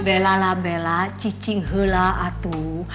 bella lah bella cicing hula atuh